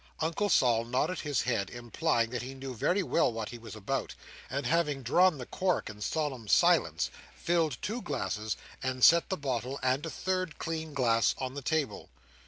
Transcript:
Uncle Sol nodded his head, implying that he knew very well what he was about; and having drawn the cork in solemn silence, filled two glasses and set the bottle and a third clean glass on the table.